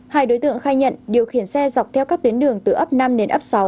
hai đối tượng khai nhận điều khiển xe dọc theo các tuyến đường từ ấp năm đến ấp sáu